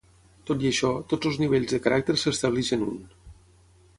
Tot i això, tots els nivells de caràcters s'estableix en un.